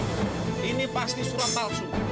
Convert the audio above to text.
gak mungkin ini pasti surat palsu